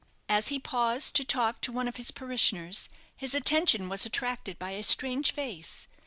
As he paused to talk to one of his parishioners, his attention was attracted by a strange face.